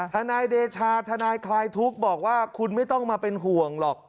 ทนายเดชาทนายคลายทุกข์บอกว่าคุณไม่ต้องมาเป็นห่วงหรอก